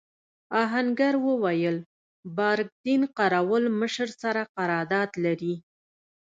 آهنګر وویل بارک دین قراوول مشر سره قرارداد لري.